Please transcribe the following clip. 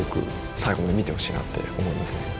最後まで見てほしいなって思いますね。